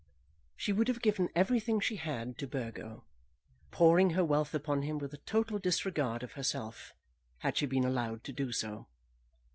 She would have given everything she had to Burgo, pouring her wealth upon him with a total disregard of herself, had she been allowed to do so.